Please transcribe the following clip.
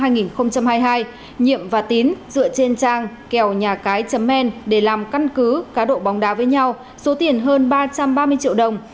nhiệm và tín dựa trên trang kèo nhà cái men để làm căn cứ cá độ bóng đá với nhau số tiền hơn ba trăm ba mươi triệu đồng